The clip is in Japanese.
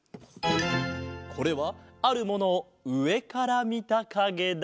これはあるものをうえからみたかげだ。